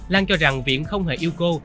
lan cho rằng viện không hề yêu cô